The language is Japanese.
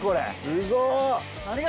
すごっ！